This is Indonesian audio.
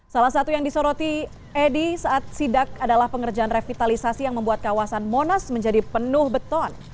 salah satu yang disoroti edi saat sidak adalah pengerjaan revitalisasi yang membuat kawasan monas menjadi penuh beton